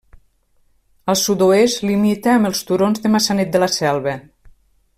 Al sud-oest limita amb els turons de Maçanet de la Selva.